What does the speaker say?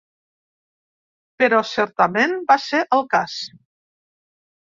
Però certament va ser el cas.